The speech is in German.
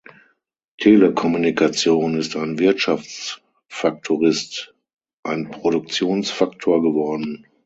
Telekommunikation ist ein Wirtschaftsfaktorist ein Produktionsfaktor geworden.